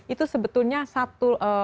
itu sebetulnya satu